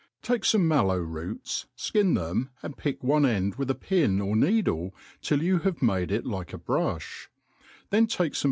TAKE fome mallow roots, (kin them, and pick one end[ with a pin or needle till you have made it like a hrufli ; then take fome.